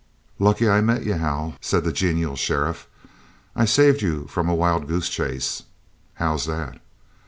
"Lucky I met you, Hal," said the genial sheriff. "I've saved you from a wild goose chase." "How's that?"